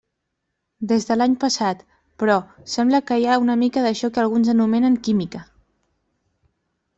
Des de l'any passat, però, sembla que hi ha una mica d'això que alguns anomenen «química».